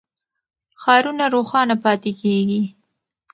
ښارونه روښانه پاتې کېږي.